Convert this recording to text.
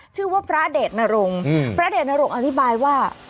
ชื่อว่าพระเดชนรงค์พระเดชนรงค์อธิบายว่า